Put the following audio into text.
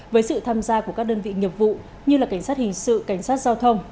với sự tham gia của các đơn vị nghiệp vụ như cảnh sát hình sự cảnh sát giao thông